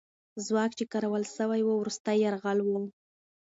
ځواک چې کارول سوی وو، وروستی یرغل وو.